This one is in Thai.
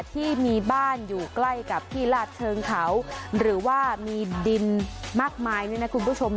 ที่มีบ้านอยู่ใกล้กับที่ลาดเชิงเขาหรือว่ามีดินมากมายเนี่ยนะคุณผู้ชม